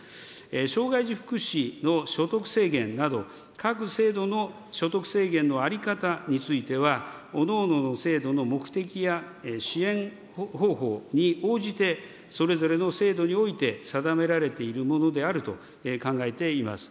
障害児福祉の所得制限など、各制度の所得制限の在り方については、おのおのの制度の目的や支援方法に応じて、それぞれの制度において定められているものであると考えています。